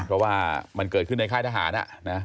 เพราะว่ามันเกิดขึ้นในค่ายทหาร